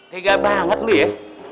tega banget lu ya